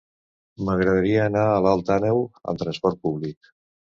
M'agradaria anar a Alt Àneu amb trasport públic.